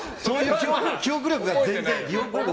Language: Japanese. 記憶力が全然。